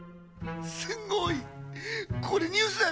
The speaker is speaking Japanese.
すごい！これニュースだよ